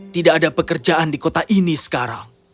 tidak ada pekerjaan di kota ini sekarang